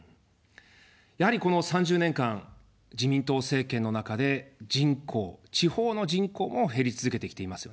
やはりこの３０年間、自民党政権の中で人口、地方の人口も減り続けてきていますよね。